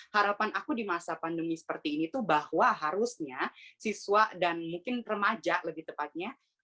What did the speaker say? harapan aku di masa pandemi seperti ini tuh bahwa harusnya siswa dan mungkin remaja lebih tepatnya